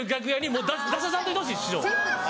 もう出ささんといてほしい師匠を。